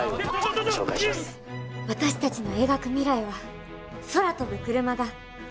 私たちの描く未来は空飛ぶクルマが人を運びます。